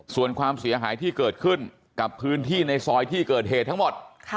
ส่วนความเสียหายที่เกิดขึ้นกับพื้นที่ในซอยที่เกิดเหตุทั้งหมด